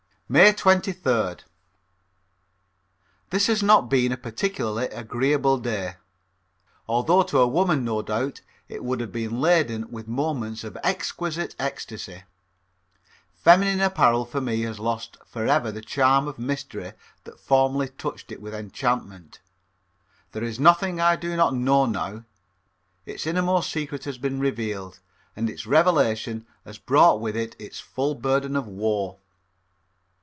May 23d. This has not been a particularly agreeable day, although to a woman no doubt it would have been laden with moments of exquisite ecstasy. Feminine apparel for me has lost for ever the charm of mystery that formerly touched it with enchantment. There is nothing I do not know now. Its innermost secret has been revealed and its revelation has brought with it its full burden of woe.